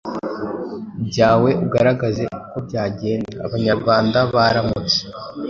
byawe ugaragaza uko byagenda Abanyarwanda baramutse